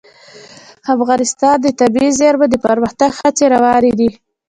افغانستان کې د طبیعي زیرمې د پرمختګ هڅې روانې دي.